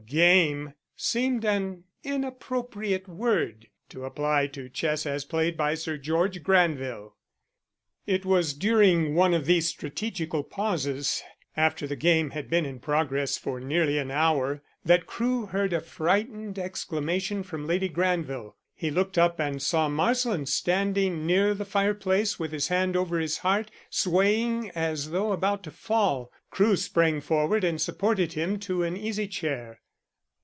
"Game" seemed an inappropriate word to apply to chess as played by Sir George Granville. It was during one of these strategical pauses, after the game had been in progress for nearly an hour, that Crewe heard a frightened exclamation from Lady Granville. He looked up and saw Marsland standing near the fire place with his hand over his heart, swaying as though about to fall. Crewe sprang forward and supported him to an easy chair.